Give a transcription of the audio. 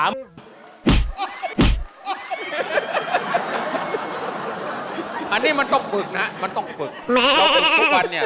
อันนี้มันต้องฝึกนะมันต้องฝึกต้องฝึกทุกวันเนี่ย